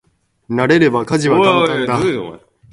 慣れれば家事は簡単だ。